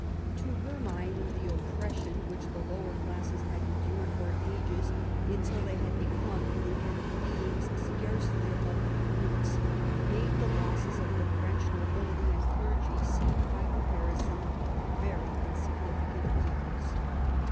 To her mind,, the oppression which the lower classes had endured for ages, until they had become in the end beings, scarcely above the brutes, made the losses of the French nobiUty and clergy seem by comparison very insignifi cant evils.